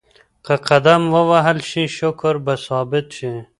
که قدم ووهل شي شکر به ثابت شي.